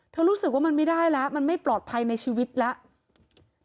รู้สึกว่ามันไม่ได้แล้วมันไม่ปลอดภัยในชีวิตแล้ว